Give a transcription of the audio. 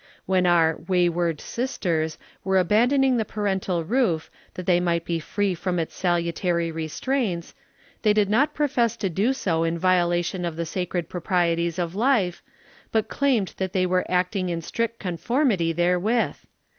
AVhen onr "wayward sisters" were abancloniDg the parental roof, that they might be free from its sahitary restraints, they did not profess to do so in violation of the sacred proprieties of hfe, but claimed that the}' were acting in strict conformity therewith.